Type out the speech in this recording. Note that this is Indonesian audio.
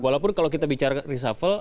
walaupun kalau kita bicara reshuffle